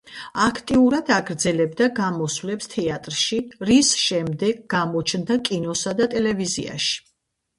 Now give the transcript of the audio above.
აქტიურად აგრძელებდა გამოსვლებს თეატრში, რის შემდეგ გამოჩნდა კინოსა და ტელევიზიაში.